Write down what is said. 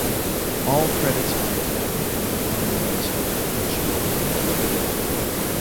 All credits are adapted from the liner notes of "Nashville Women".